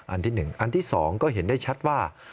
อันที่๑อันที่๒ก็เห็นได้ชัดว่า